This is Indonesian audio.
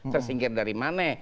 tersingkir dari mana